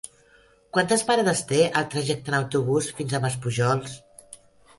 Quantes parades té el trajecte en autobús fins a Maspujols?